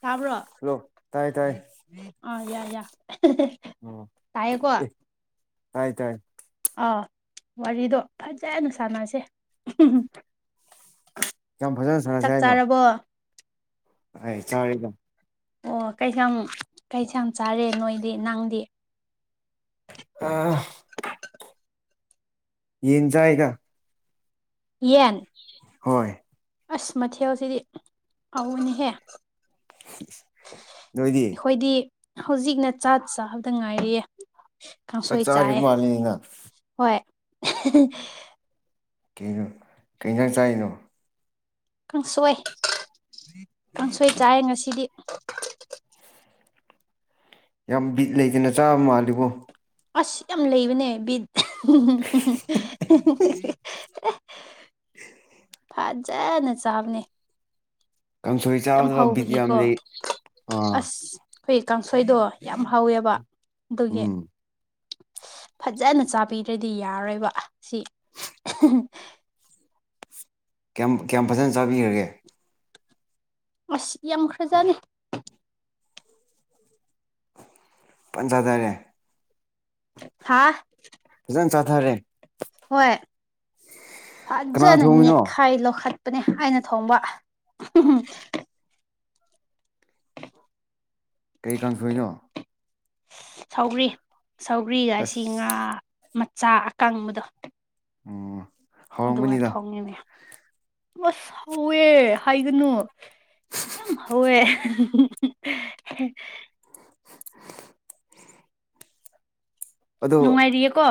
ꯇꯥꯕ꯭ꯔꯣ ꯍꯜꯂꯣ ꯇꯥꯏ ꯇꯥꯏ ꯑꯥ ꯌꯥ ꯌꯥ ꯇꯥꯏꯌꯦꯀꯣ ꯍꯥꯏ ꯇꯥꯏ ꯑꯥ ꯋꯥꯔꯤꯗꯣ ꯐꯖꯅ ꯁꯥꯟꯅꯁꯦ ꯌꯥꯝ ꯐꯖ ꯆꯥꯛ ꯆꯥꯔꯕꯣ ꯑꯍꯥꯏ ꯆꯥꯔꯦꯒ ꯑꯣ ꯀꯩꯌꯥꯝ ꯀꯩꯁꯥꯡ ꯆꯥꯔꯦ ꯅꯣꯏꯗꯤ ꯅꯪꯗꯤ ꯑ ꯌꯦꯟ ꯆꯥꯏꯗꯥ ꯌꯦꯟ ꯍꯣꯏ ꯑꯁ ꯃꯊꯦꯜꯁꯤꯗꯤ ꯍꯥꯎꯕꯅꯤꯍꯦ ꯅꯣꯏꯗꯤ ꯍꯣꯏꯗꯤ ꯍꯧꯖꯤꯛꯅ ꯆꯥꯛ ꯆꯥꯕꯗ ꯉꯥꯏꯔꯤꯌꯦ ꯆꯥꯛ ꯀꯥꯡꯁꯣꯏ ꯆꯥꯔꯤꯕ ꯆꯥꯏꯌꯦ ꯃꯥꯜꯂꯤꯅ ꯍꯣꯏ ꯀꯩꯅꯣ ꯀꯩ ꯏꯟꯓꯥꯡ ꯆꯥꯏꯅꯣ ꯀꯥꯡꯁꯣꯏ ꯀꯥꯡꯁꯣꯏ ꯆꯥꯌꯦ ꯉꯁꯤꯗꯤ ꯌꯥꯝ ꯕꯤꯠ ꯂꯩꯇꯅ ꯆꯥꯕ ꯃꯥꯜꯂꯤꯕꯣ ꯑꯁ ꯌꯥꯝ ꯂꯩꯕꯅꯦ ꯕꯤꯠ ꯐꯖꯅ ꯆꯥꯕꯅꯦ ꯀꯥꯡꯁꯣꯏ ꯌꯥꯝ ꯆꯥꯕꯗ ꯕꯤꯠ ꯌꯥꯝ ꯍꯥꯕꯒꯤꯀꯣ ꯂꯩ ꯑꯥ ꯑꯁ ꯈꯣꯏꯒꯤ ꯀꯥꯡꯁꯣꯏꯗꯣ ꯌꯥꯝ ꯍꯥꯎꯋꯦꯕ ꯑꯗꯨꯒꯤ ꯎꯝ ꯐꯖꯅ ꯆꯥꯕꯤꯗ꯭ꯔꯗꯤ ꯌꯥꯔꯣꯏꯕ ꯁꯤ [unintelligible] ꯀ꯭ꯌꯥꯝ ꯀ꯭ꯌꯥꯝ ꯐꯖꯅ ꯆꯥꯕꯤꯈ꯭ꯔꯒꯦ ꯑꯁ ꯌꯥꯝꯈ꯭ꯔꯖꯥꯠꯅꯤ ꯄꯟ ꯆꯥꯗꯔꯦ ꯍꯥꯥ ꯐꯖꯟ ꯆꯥꯊꯔꯦ ꯍꯣꯏ ꯀꯅꯥ ꯐꯠꯖ ꯊꯣꯡꯉꯤꯅꯣ ꯅꯦꯠꯈꯥꯏ ꯂꯧꯈꯠ [unintelligible] ꯑꯩꯅ ꯊꯣꯡꯕ ꯀꯩ ꯀꯥꯡꯁꯣꯏꯅꯣ ꯁꯧꯒꯔꯤ ꯁꯧꯒꯔꯤꯒ ꯑꯁ ꯑꯁꯤ ꯉꯥ ꯃꯆꯥ ꯑꯀꯪꯕꯗꯣ ꯑꯣ ꯑꯗꯨꯒ ꯍꯥꯎꯔꯝꯒꯅꯤꯗ ꯊꯣꯡꯉꯤꯅꯦ ꯑꯁ ꯍꯧꯋꯦ ꯍꯥꯏꯒꯅꯨ ꯌꯥꯝ ꯍꯧꯋꯦ [unintelligible] ꯑꯗꯣ ꯅꯨꯡꯉꯥꯏꯔꯤꯌꯦꯀꯣ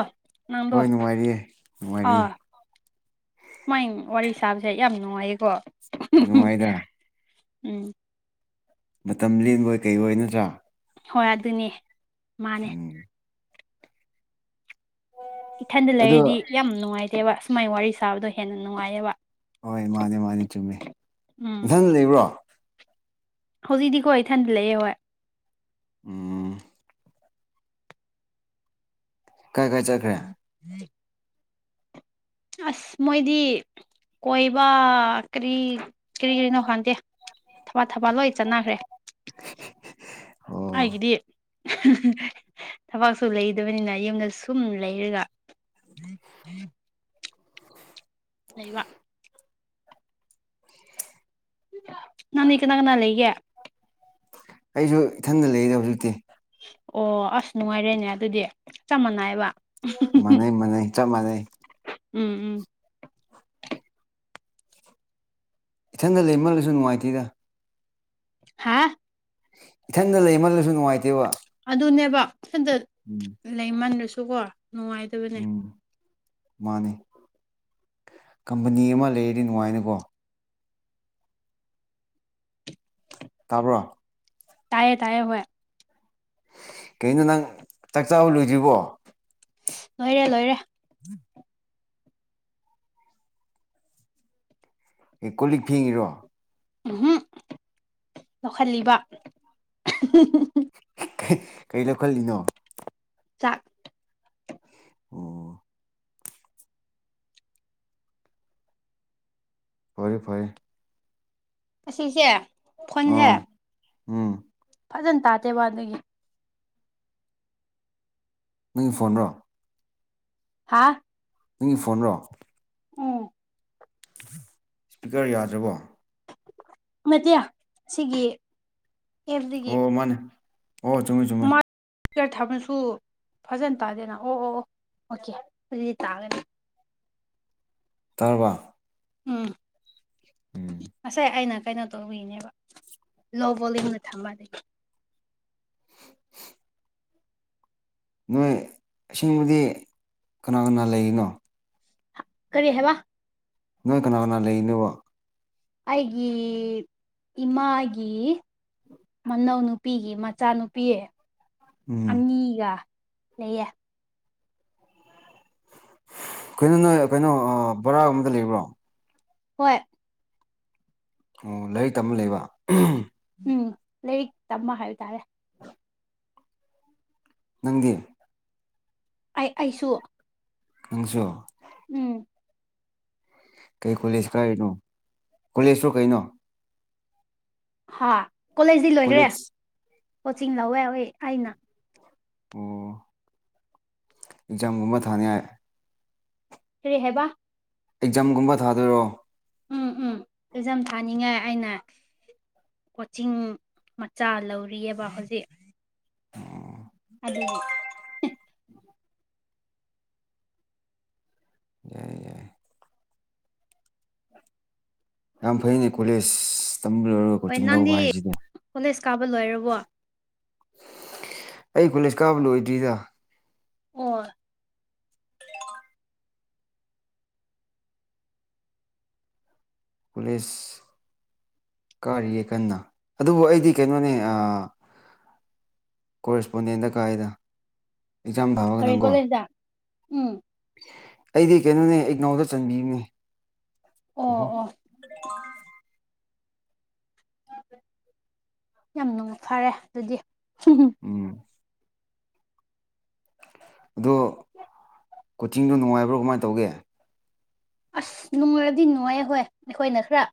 ꯅꯪꯗꯣ ꯍꯣꯏ ꯅꯨꯡꯉꯥꯏꯔꯤꯌꯦ ꯅꯨꯡꯉꯥꯏꯔꯤꯌꯦ ꯑꯥ ꯁꯨꯃꯥꯏ ꯋꯥꯔꯤ ꯁꯥꯕꯁꯦ ꯌꯥꯝ ꯅꯨꯡꯉꯥꯏꯌꯦꯀꯣ ꯅꯨꯡꯉꯥꯏꯗ ꯎꯝ ꯃꯇꯝ ꯂꯦꯟꯕꯣꯏ ꯀꯩꯕꯣꯏ ꯅꯠꯇ꯭ꯔꯥ ꯍꯣꯏ ꯑꯗꯨꯅꯦ ꯎꯝ ꯏꯊꯟꯗ ꯑꯗꯣ ꯂꯩꯔꯤꯗꯤ ꯌꯥꯝ ꯅꯨꯡꯉꯥꯏꯇꯦꯕ ꯁꯨꯃꯥꯏꯅ ꯋꯥꯔꯤ ꯁꯥꯕꯗꯣ ꯍꯦꯟꯅ ꯅꯨꯡꯉꯥꯏꯌꯦꯕ ꯍꯣꯏ ꯃꯥꯅꯦ ꯃꯥꯅꯦ ꯆꯨꯝꯃꯦ ꯎꯝ ꯅꯊꯟ ꯂꯩꯕ꯭ꯔꯣ ꯍꯧꯖꯤꯛꯇꯤꯀꯣ ꯢꯊꯟꯇꯥ ꯂꯩꯑꯦ ꯍꯣꯏ ꯎꯝ ꯀꯥꯏ ꯀꯥꯏ ꯆꯠꯈ꯭ꯔꯦ [inaudible] ꯑꯁ ꯃꯣꯏꯗꯤ ꯀꯣꯏꯕ ꯀꯔꯤ ꯀꯔꯤ ꯀꯔꯤꯅꯣ ꯈꯪꯗꯦ ꯊꯕꯛ ꯊꯕꯛ ꯂꯣꯏ ꯆꯠꯅꯈ꯭ꯔꯦ ꯑꯣ ꯑꯩꯒꯤꯗꯤ ꯊꯕꯥꯛꯁꯨ ꯂꯩꯗꯕꯅꯤꯅ ꯌꯨꯝꯗ ꯁꯨꯝ ꯂꯩꯔꯒ [inaudible] ꯂꯩꯩꯕ ꯅꯪꯗꯤ ꯀꯥꯅ ꯀꯥꯅ ꯂꯩꯒꯦ ꯑꯩꯁꯨ ꯏꯊꯟꯗ ꯂꯩꯗ ꯍꯧꯖꯤꯛꯇꯤ ꯑꯣ ꯑꯁ ꯅꯨꯡꯉꯥꯏꯔꯦꯅꯦ ꯑꯗꯨꯗꯤ ꯆꯞ ꯃꯥꯟꯅꯩꯑꯦꯕ ꯃꯅꯩ ꯃꯅꯩ ꯆꯞ ꯃꯅꯩ ꯎꯝ ꯎꯝ ꯏꯊꯟꯗ ꯂꯩꯃꯜꯂꯁꯨ ꯅꯨꯡꯉꯥꯏꯇꯦꯗ ꯍꯥꯥ ꯏꯊꯟꯗ ꯂꯩꯃꯜꯂꯁꯨ ꯅꯨꯡꯉꯥꯏꯇꯦꯕ ꯑꯗꯨꯅꯦꯕ ꯢꯊꯟꯗ ꯎꯝ ꯂꯩꯃꯟꯂꯥꯁꯨꯀꯣ ꯅꯨꯡꯉꯥꯏ ꯎꯝ ꯃꯥꯅꯦ ꯀꯝꯄꯅꯤ ꯑꯃ ꯂꯩꯔꯗꯤ ꯅꯨꯡꯉꯥꯏꯅꯀꯣ ꯇꯥꯕ꯭ꯔꯣ ꯇꯥꯏꯌꯦ ꯇꯥꯏꯌꯦ ꯍꯣꯢ ꯀꯩꯅꯣ ꯅꯪ ꯆꯥꯛ ꯆꯥꯕ ꯂꯣꯏꯗ꯭ꯔꯤꯕꯣ ꯂꯣꯏꯔꯦ ꯂꯣꯏꯔꯦ ꯑꯦ ꯀꯣꯟ ꯂꯤꯛ ꯐꯦꯡꯉꯤꯔꯣ ꯎꯝ ꯍꯨꯝ ꯂꯧꯈꯠꯂꯤꯕ ꯀꯔꯤ ꯂꯧꯈꯠꯂꯤꯅꯣ ꯆꯥꯛ ꯑꯣ ꯐꯔꯦ ꯐꯔꯦ ꯑꯁꯤꯁꯦ ꯐꯣꯟꯁꯦ ꯑꯥ ꯎꯝ ꯐꯖꯟ ꯇꯥꯗꯦꯕ ꯑꯗꯨꯒꯤ ꯅꯪꯒꯤ ꯐꯣꯟꯔꯣ ꯍꯥꯥ ꯅꯪꯒꯤ ꯐꯣꯟꯔꯣ ꯎꯝ ꯁ꯭ꯄꯤꯀꯔ ꯌꯥꯗ꯭ꯔꯕꯣ꯫ ꯅꯠꯇꯦ ꯁꯤꯒꯤ ꯑꯦꯞꯇꯒꯤ ꯑꯣ ꯃꯥꯅꯦ ꯑꯣ ꯆꯨꯝꯃꯤ ꯆꯨꯝꯃꯤ꯫ ꯁ꯭ꯄꯤꯀꯔ ꯊꯝꯔꯁꯨ ꯐꯖꯟ ꯇꯥꯗꯦꯅ ꯑꯣ ꯑꯣ ꯑꯣ ꯑꯣꯀꯦ ꯑꯗꯨꯗꯤ ꯇꯥꯒꯅꯤ꯫ ꯇꯥꯔꯕꯥ ꯎꯝ ꯎꯝ ꯉꯁꯥꯏ ꯑꯩꯅ ꯀꯩꯅꯣ ꯇꯧꯕꯒꯤꯅꯦꯕ ꯂꯣ ꯕꯣꯂꯌꯨꯝꯗ ꯊꯝꯕ ꯗꯨꯒꯤ ꯅꯣꯏ ꯑꯁꯦꯡꯕꯗꯤ ꯀꯅꯥ ꯀꯅꯥ ꯂꯩꯔꯤꯅꯣ? ꯀꯔꯤ ꯍꯥꯏꯕ? ꯅꯣꯏ ꯀꯅꯥ ꯀꯅꯥ ꯂꯩꯔꯤꯅꯦꯕ? ꯑꯩꯒꯤ ꯏꯃꯥꯒꯤ꯫ ꯃꯅꯧꯅꯨꯄꯤꯒꯤ ꯃꯆꯥꯅꯨꯄꯤ ꯎꯝ ꯑꯅꯤꯒ ꯂꯩꯌꯦ꯫ ꯀꯩꯅꯣ ꯅꯣꯏ ꯀꯩꯅꯣ ꯑꯥ ꯕꯥꯔꯥꯒꯨꯝꯕꯗ ꯂꯩꯕ꯭ꯔꯣ꯫ ꯍꯣꯏ꯫ ꯑꯣ ꯂꯥꯏꯔꯤꯛ ꯇꯝꯃ ꯂꯩꯕ꯫ ꯎꯝ ꯂꯩꯔꯤꯛ ꯇꯝꯕ ꯍꯥꯏꯕ ꯇꯥꯔꯦ꯫ ꯅꯪꯗꯤ ꯑꯩ ꯑꯩꯁꯨ꯫ ꯅꯪꯁꯨ ꯎꯝ ꯀꯩ ꯀꯣꯂꯦꯖ ꯀꯥꯔꯤꯅꯣ ꯀꯣꯂꯦꯖꯔꯣ ꯀꯩꯅꯣ ꯍꯥ ꯀꯣꯂꯦꯖꯗꯤ ꯂꯣꯏꯒꯔ꯭ꯦ ꯀꯣꯂꯦꯖ ꯀꯣꯆꯤꯡ ꯂꯧꯋꯦ ꯍꯣꯏ ꯑꯩꯅ꯫ ꯑꯣ ꯑꯦꯛꯖꯥꯝꯒꯨꯝꯕ ꯊꯥꯅꯤꯉꯥꯏ꯫ ꯀꯔꯤ ꯍꯥꯏꯕ ꯑꯦꯛꯖꯥꯝꯒꯨꯝꯕ ꯊꯥꯗꯣꯏꯔꯣ? ꯎꯝ ꯎꯝ ꯑꯦꯖꯝ ꯊꯥꯅꯤꯡꯉꯥꯏ ꯑꯩꯅ꯫ ꯀꯣꯆꯤꯡ ꯃꯆꯥ ꯂꯧꯔꯤꯌꯦꯕ ꯍꯧꯖꯤꯛ꯫ ꯑꯣ ꯑꯗꯨꯒꯤ ꯌꯥꯏ ꯌꯥꯏ ꯌꯥꯝ ꯐꯩꯅꯦ ꯀꯣꯂꯦꯖ ꯇꯝꯕꯂꯣꯏꯔ ꯍꯣꯏ ꯀꯣꯆꯤꯡ ꯂꯧꯕ ꯅꯪꯗꯤ ꯍꯥꯏꯁꯤꯗꯤ ꯀꯣꯂꯦꯖ ꯀꯥꯕ ꯂꯣꯏꯔꯕꯣ ꯑꯩ ꯀꯣꯂꯦꯁ ꯀꯥꯕ ꯂꯣꯏꯗ꯭ꯔꯤꯗ꯫ ꯑꯣ ꯀꯨꯂꯦꯁ ꯫ ꯀꯥꯔꯤꯌꯦ ꯀꯟꯅ ꯑꯗꯨꯕꯨ ꯑꯩꯗꯤ ꯀꯩꯅꯣꯅꯦ ꯑꯥ ꯀꯣꯔꯦꯁꯄꯣꯟꯗꯦꯟꯗ ꯀꯥꯏꯗ꯫ ꯑꯦꯛꯖꯥꯝ ꯊꯥꯕ ꯀꯔꯤ ꯈꯇꯪꯀꯣ ꯀꯣꯂꯦꯁꯗ ꯎꯝ꯫ ꯑꯩꯗꯤ ꯀꯩꯅꯣꯅꯦ ꯏꯛꯅꯧꯗ ꯆꯟꯕꯤꯕꯅꯦ ꯑꯣ ꯑꯣꯍꯣ ꯑꯣ ꯌꯥꯝ ꯅꯨꯡꯉꯥꯏ ꯐꯔꯦ ꯑꯗꯨꯗꯤ ꯎꯝ ꯑꯗꯣ ꯀꯣꯆꯤꯡꯗꯣ ꯅꯨꯡꯉꯥꯏꯕ꯭ꯔꯣ ꯀꯃꯥꯏꯅ ꯇꯧꯒꯦ ꯑꯁ ꯅꯨꯡꯉꯥꯏꯕꯗꯤ ꯅꯨꯡꯉꯥꯏꯌꯦ ꯍꯣꯏ ꯑꯩꯈꯣꯏꯅ ꯈꯔ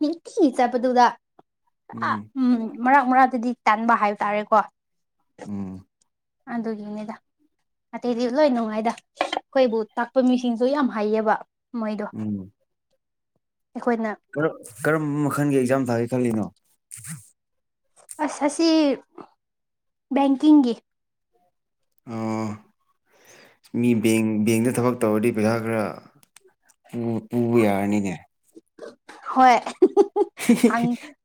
ꯅꯨꯡꯇꯤꯒꯤ ꯆꯠꯄꯗꯨꯗ ꯑꯥ ꯎꯝ ꯃꯔꯛ ꯃꯔꯛꯇꯗꯤ ꯇꯟꯕ ꯍꯥꯏꯕ ꯇꯥꯔꯦꯀꯣ ꯎꯝ ꯑꯗꯨꯒꯤꯅꯤꯗ ꯑꯇꯩꯗꯤ ꯂꯣꯏ ꯅꯨꯡꯉꯥꯏꯗ ꯑꯩꯈꯣꯏꯕꯨ ꯇꯥꯛꯄ ꯃꯤꯁꯤꯡꯁꯨ ꯌꯥꯝ ꯍꯩꯌꯦꯕ ꯃꯣꯏꯗꯣ ꯎꯝ ꯑꯩꯈꯣꯏꯅ ꯀꯔꯝꯕ ꯃꯈꯜꯒꯤ ꯑꯦꯛꯖꯥꯝ ꯊꯥꯒꯦ ꯈꯜꯂꯤꯅꯣ ꯑꯁ ꯑꯁꯤ ꯕꯦꯡꯀꯤꯡꯒꯤ ꯑꯣ ꯃꯤ ꯕꯦꯡ -ꯕꯦꯡꯗ ꯊꯕꯛ ꯇꯧꯔꯗꯤ ꯄꯩꯁꯥ ꯈꯔ ꯄꯨ-ꯄꯨꯕ ꯌꯥꯔꯅꯤꯅꯦ ꯍꯣꯏ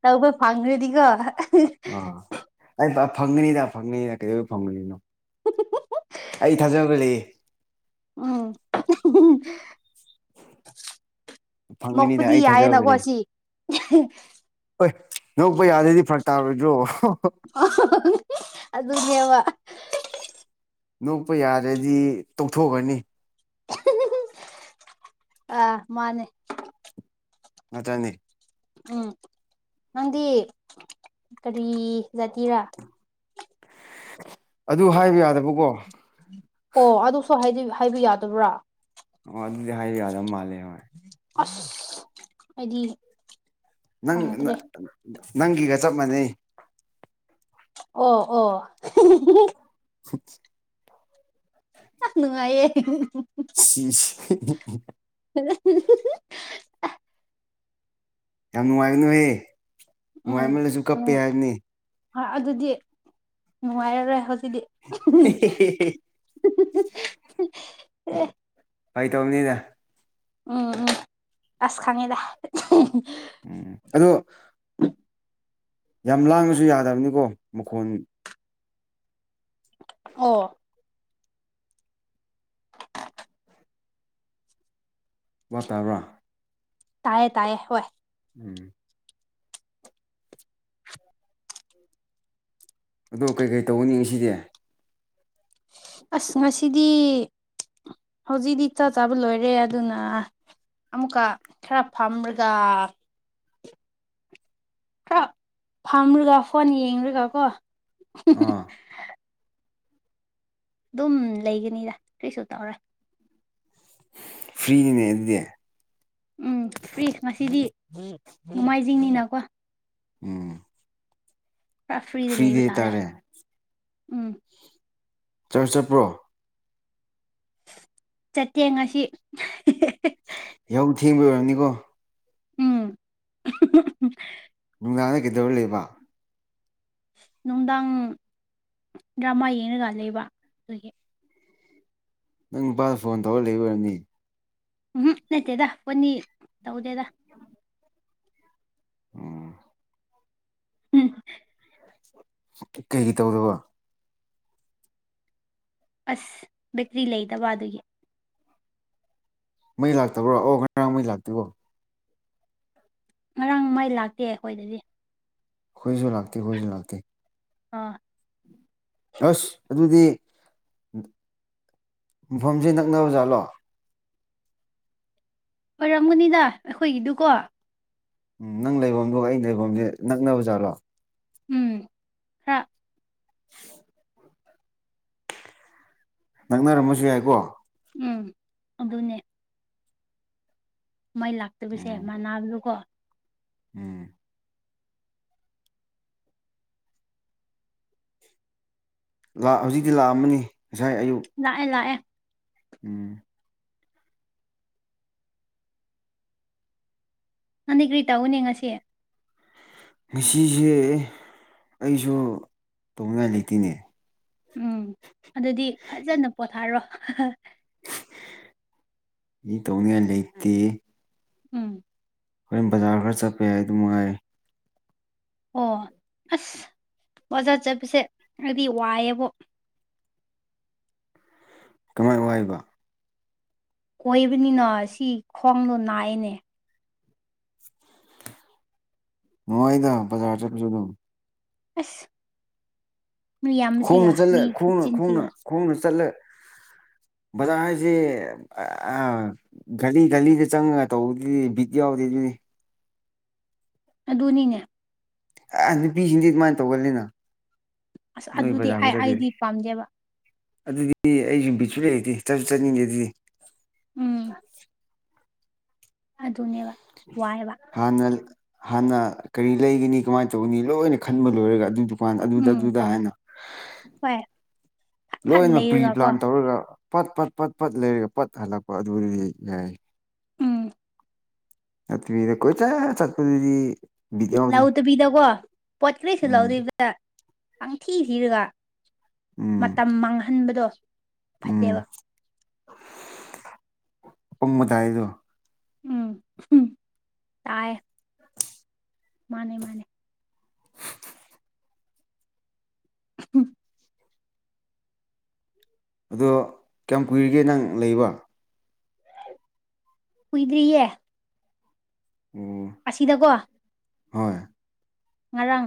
ꯇꯧꯕ ꯐꯪꯈ꯭ꯔꯗꯤꯀꯣ ꯑꯥ ꯑꯩ ꯐꯪꯒꯅꯤꯗ ꯐꯪꯒꯅꯤꯗ ꯀꯩꯗꯧꯕꯩ ꯐꯪꯉꯣꯏꯗꯨꯏꯅꯣ ꯑꯩ ꯊꯥꯖꯕ ꯂꯩꯌꯦ ꯎꯝ ꯐꯪꯒꯅꯤꯗ ꯅꯣꯛꯄꯗꯤ ꯑꯩ ꯊꯥꯖꯕ ꯌꯥꯏꯌꯦꯅꯀꯣ ꯂꯩ ꯁꯤ ꯍꯣꯏ ꯅꯣꯛꯄ ꯌꯥꯗ꯭ꯔꯗꯤ ꯐꯔꯛ ꯇꯥꯔꯣꯏꯗ꯭ꯔꯣ ꯑꯗꯨꯅꯦꯕ ꯅꯣꯛꯄ ꯌꯥꯗ꯭ꯔꯗꯤ ꯇꯣꯛꯊꯣꯛꯑꯅꯤ ꯑ ꯃꯥꯅꯦ ꯑꯗꯅꯤ ꯎꯝ ꯅꯪꯗꯤ ꯀꯔꯤ ꯖꯥꯇꯤꯔꯥ ꯑꯗꯨ ꯍꯥꯏꯕ ꯌꯥꯗꯕꯀꯣ ꯑꯣ ꯑꯗꯨꯁꯨ ꯍꯥꯏꯗꯤ ꯍꯥꯏꯕ ꯌꯥꯗꯕ꯭ꯔꯥ ꯑꯣ ꯑꯗꯨꯗꯤ ꯍꯥꯏꯕ ꯌꯥꯗꯕ ꯃꯥꯜꯂꯦ ꯍꯣꯏ ꯑꯁ ꯑꯩꯗꯤ ꯅꯪ ꯈꯪꯗ꯭ꯔꯦ ꯅꯪꯒꯤꯒ ꯆꯞ ꯃꯥꯟꯅꯩ ꯑꯣ ꯑꯣ [unintelligible] ꯌꯥꯝ ꯅꯨꯡꯉꯥꯏꯌꯦ ꯁꯤꯁ [unintelligible] ꯌꯥꯝ ꯅꯨꯡꯉꯥꯅ ꯅꯣꯛꯑꯦ ꯎꯝ ꯅꯨꯡꯉꯥꯏꯃꯜꯂꯁꯨ ꯀꯞꯄꯦ ꯎꯝ ꯍꯥꯏꯕꯅꯤ ꯑꯗꯨꯗꯤ ꯅꯨꯡꯉꯥꯏꯔꯔꯣꯏ ꯍꯧꯖꯤꯛꯇꯤ [unintelligible] [unintelligible] ꯐꯥꯒꯤ ꯇꯧꯕꯅꯤꯗ ꯎꯝ ꯎꯝ ꯑꯁ ꯈꯪꯉꯤꯗ ꯎꯝ ꯑꯗꯨ ꯌꯥꯝ ꯂꯥꯡꯕꯁꯨ ꯌꯥꯗꯕꯅꯤꯀꯣ ꯃꯈꯣꯟ ꯑꯣ ꯚꯥꯕ ꯇꯥꯕꯔꯥ ꯇꯥꯏꯌꯦ ꯇꯥꯏꯌꯦ ꯍꯣꯏ [inaudible] ꯑꯗꯣ ꯀꯩꯀꯩ ꯇꯧꯅꯤ ꯉꯁꯤꯁꯦ ꯑꯁ ꯉꯁꯤꯗꯤ ꯍꯧꯖꯤꯛꯇꯤ ꯆꯥ ꯆꯥꯕ ꯂꯣꯏꯔꯦ ꯑꯗꯨꯅ ꯑꯃꯨꯛꯀ ꯈꯔ ꯐꯝꯔꯒ ꯈꯔ ꯐꯝꯔꯒ ꯐꯣꯟ ꯌꯦꯡꯨꯔꯒ ꯀꯣ ꯑꯥ ꯑꯗꯨꯝ ꯂꯩꯒꯅꯤꯗ ꯀꯔꯤꯁꯨ ꯇꯧꯔꯣꯏ ꯐ꯭ꯔꯔꯤꯅꯤꯅꯦꯅꯦ ꯎꯝ ꯐ꯭ꯔꯤ ꯉꯁꯤꯗꯤ ꯅꯣꯡꯃꯥꯏꯖꯤꯡꯅꯤꯅꯀꯣ ꯎꯝ ꯄꯨꯔꯥ ꯐ꯭ꯔꯤꯗ ꯐ꯭ꯔꯤꯗꯤ ꯂꯩꯕ ꯇꯥꯔꯦ ꯍꯥꯏꯇꯥꯔꯦ ꯎꯝ ꯆꯔꯁ‌ ꯆꯠꯄ꯭ꯔꯣ ꯆꯠꯇꯦ ꯉꯥꯁꯤ ꯌꯥꯍꯧ ꯊꯦꯡꯕꯩ ꯑꯣꯏꯔꯝꯅꯤꯀꯣ ꯎꯝ ꯅꯨꯡꯗꯥꯡꯗ ꯀꯩꯗꯧꯔ ꯂꯩꯕ ꯅꯨꯡꯗꯥꯡ ꯗ꯭ꯔꯃꯥ ꯌꯦꯡꯉꯒ ꯂꯩꯕ ꯑꯗꯨꯒꯤ ꯅꯪ ꯅꯨꯄꯥꯗ ꯐꯣꯟ ꯇꯧꯔꯒ ꯂꯩꯕ ꯑꯣꯏꯔꯝꯅꯤ ꯎꯝ ꯅꯠꯇꯦꯗ ꯐꯣꯟꯗꯤ ꯇꯧꯗꯦꯗ ꯎꯝ [unintelligible] ꯀꯩꯀꯩꯒꯤ ꯇꯧꯔꯕ ꯑꯁ ꯕꯦꯀ꯭ꯔꯤ ꯂꯩꯇꯕ ꯑꯗꯨꯒꯤ ꯃꯩ ꯂꯥꯛꯇꯕ꯭ꯔꯣ ꯑꯣ ꯉꯔꯥꯡ ꯃꯩ ꯂꯥꯛꯇꯦꯀꯣ ꯉꯔꯥꯡ ꯃꯩ ꯂꯥꯛꯇꯦ ꯑꯩꯈꯣꯏꯗꯗꯤ ꯈꯣꯏꯁꯨ ꯂꯥꯛꯇꯦ ꯈꯣꯏꯁꯨ ꯂꯥꯛꯇꯦ ꯑꯥ ꯑꯁ ꯑꯗꯨꯗꯤ ꯃꯐꯝꯁꯦ ꯅꯛꯅꯕ ꯖꯥꯠꯂꯣ ꯑꯣꯏꯔꯝꯒꯅꯤꯗ ꯑꯩꯈꯣꯏꯒꯤꯗꯨꯀꯣ ꯎꯝ ꯅꯪ ꯂꯩꯐꯝꯗꯣ ꯑꯩ ꯂꯩꯐꯝꯁꯦ ꯅꯛꯅꯕ ꯖꯥꯠꯂꯣ ꯎꯝ ꯍꯥ [unintelligible] ꯅꯛꯅꯔꯝꯃꯁꯨ ꯌꯥꯏꯀꯣ ꯎꯝ ꯑꯗꯨꯅꯦ ꯃꯩ ꯂꯥꯛꯇꯕꯁꯦ ꯎꯝ ꯃꯅꯕꯗꯨꯀꯣ ꯎꯝ ꯂꯥꯛ ꯍꯧꯖꯤꯛꯇꯤ ꯂꯥꯛꯑꯝꯃꯅꯤ ꯉꯁꯥꯏ ꯑꯌꯨꯛ ꯂꯥꯛꯑꯦ ꯂꯥꯛꯑꯦ ꯎꯝ ꯅꯪꯗ ꯀ꯭ꯔꯤ ꯇꯎꯒꯅꯤ ꯉꯁꯤ ꯉꯁꯤꯁꯦ ꯑꯩꯁꯨ ꯇꯧꯅꯤꯡꯉꯥꯏ ꯂꯩꯇꯦꯅꯦ ꯎꯝ ꯑꯗꯨꯗꯤ ꯐꯖꯅ ꯄꯣꯊꯥꯔꯣ ꯃꯤ ꯇꯧꯅꯤꯡꯉꯥꯏ ꯂꯩꯇꯦ ꯎꯝ ꯍꯣꯔꯦꯟ ꯕꯖꯥꯔ ꯈꯔ ꯆꯠꯄ ꯌꯥꯏ ꯑꯗꯨꯃ ꯉꯥꯏ ꯑꯣ ꯑꯁ ꯕꯖꯥ ꯆꯠꯄꯁꯦ ꯑꯩꯗꯤ ꯋꯥꯏꯑꯦꯕꯣ ꯀꯃꯥꯏ ꯋꯥꯏꯕ ꯀꯣꯏꯕꯅꯤꯅ ꯁꯤ ꯈꯣꯡꯗꯣ ꯅꯥꯏꯅꯦ ꯅꯨꯉꯥꯏꯗ ꯕꯖꯥꯔ ꯆꯠꯄꯁꯨ ꯗꯨꯝ ꯑꯁ ꯃꯤ ꯌꯥꯝ ꯈꯣꯡꯅ ꯁꯤꯒ ꯆꯠꯂ ꯃꯤ ꯈꯣꯡꯅ ꯈꯣꯡꯅ ꯈꯨꯆꯤꯟꯁꯤꯒ ꯈꯣꯡꯅ ꯆꯠꯂꯦ ꯕꯖꯥꯔ ꯍꯥꯏꯁꯤ ꯑ ꯘꯂꯤ ꯘꯂꯤꯗ ꯆꯪꯉꯒ ꯇꯧꯕꯗꯨꯗꯤ ꯕꯤꯠ ꯌꯥꯎꯗꯦ ꯑꯗꯨꯗꯤ ꯑꯗꯨꯅꯤꯅꯦ ꯑꯥ ꯅꯨꯄꯤꯁꯤꯡꯗꯤ ꯑꯗꯨꯃꯥꯏꯅ ꯇꯧꯒꯜꯂꯤꯅ ꯑꯁ ꯅꯣꯏ ꯑꯗꯨꯗꯤ ꯕꯖꯥꯔ ꯑꯩ ꯕꯖꯥꯔꯗꯤ ꯑꯩꯗꯤ ꯄꯥꯝꯗꯦꯕ ꯑꯗꯨꯗꯤ ꯑꯩ ꯁꯨ ꯕꯤꯠꯁꯨ ꯂꯩꯇꯦ ꯆꯠꯁꯨ ꯆꯠꯅꯤꯡꯗꯦ ꯑꯗꯨꯗꯤ ꯎꯝ ꯑꯗꯨꯅꯦꯕ ꯋꯥꯏꯕ ꯍꯥꯟꯅ ꯍꯥꯟꯅ ꯀꯔꯤ ꯂꯩꯒꯅꯤ ꯀꯃꯥꯏꯅ ꯇꯧꯒꯅꯤ ꯂꯣꯏꯅ ꯈꯟꯕ ꯂꯣꯏꯔꯒ ꯑꯗꯨꯗꯨ ꯑꯗꯨꯗ ꯎꯝ ꯑꯗꯨꯗ ꯍꯥꯏꯅ ꯍꯣꯏ ꯐꯠ ꯐꯠ ꯂꯣꯏꯅ ꯄ꯭ꯔꯤ ꯂꯩꯔꯒꯀꯣ ꯄ꯭ꯂꯥꯟ ꯇꯧꯔꯒ ꯄꯠ ꯄꯠ ꯄꯠ ꯄꯠ ꯂꯩꯔꯒ ꯄꯠ ꯍꯜꯂꯛꯄ ꯑꯗꯨꯗꯤ ꯌꯥꯏ ꯎꯝ ꯅꯠꯇꯕꯤꯗ ꯀꯣꯏꯆꯠ ꯆꯠꯄꯗꯨꯗꯤ ꯕꯤꯠ ꯌꯥꯎꯗꯦ ꯂꯧꯗꯕꯤꯗꯀꯣ ꯄꯣꯠ ꯀꯔꯤꯁꯨ ꯎꯝ ꯂꯧꯗꯕꯤꯗ ꯄꯪꯊꯤ ꯊꯤꯔꯒ ꯎꯝ ꯃꯇꯝ ꯃꯥꯡꯍꯟꯕꯗꯣ ꯐꯠꯇꯦꯕ ꯎꯝ ꯑꯄꯪꯕ ꯇꯥꯏꯗꯣ ꯎꯝ ꯇꯥꯏꯌꯦ ꯃꯥꯅꯦ ꯃꯥꯅꯦ ꯍꯝ ꯑꯗꯣ ꯀꯌꯥꯝ ꯀꯨꯏꯔꯒꯦ ꯅꯪ ꯂꯩꯕ ꯀꯨꯏꯗ꯭ꯔꯤꯌꯦ ꯑꯣ ꯑꯁꯤꯗꯀꯣ ꯍꯣꯏ ꯉꯔꯥꯡ